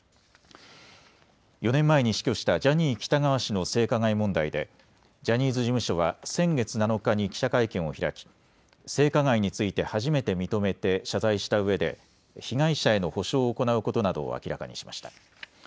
４年前に死去したジャニー喜多川氏の性加害問題でジャニーズ事務所は先月７日に記者会見を開き性加害について初めて認めて謝罪したうえで被害者への補償を行うことなどを明らかにしました。